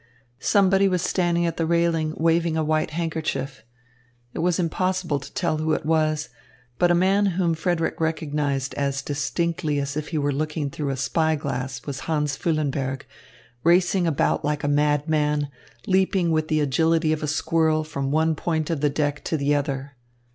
Somebody was standing at the railing waving a white handkerchief. It was impossible to tell who it was. But a man whom Frederick recognised as distinctly as if he were looking through a spy glass was Hans Füllenberg, racing about like a madman, leaping with the agility of a squirrel from one point of the deck to the other.